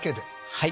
はい。